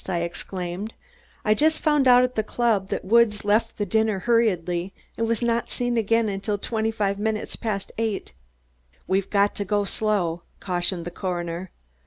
I exclaimed. "I just found out at the club that Woods left his dinner hurriedly and was not seen again until twenty five minutes past eight." "We've got to go slow," cautioned the coroner.